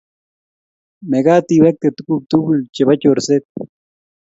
mekat iwekte tuguk tugul chebo chorset